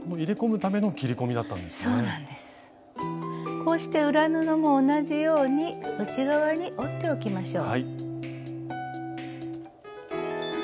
こうして裏布も同じように内側に折っておきましょう。